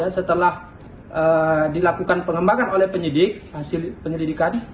setelah dilakukan pengembangan oleh penyidik hasil penyelidikan